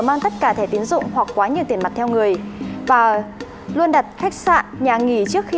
mang tất cả thẻ tiến dụng hoặc quá nhiều tiền mặt theo người và luôn đặt khách sạn nhà nghỉ trước khi